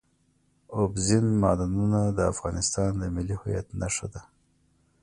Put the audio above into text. اوبزین معدنونه د افغانستان د ملي هویت نښه ده.